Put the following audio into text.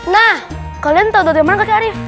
nah kalian tau doa dia mana kakek arief